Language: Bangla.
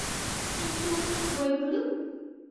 কিন্তু, বইগুলো?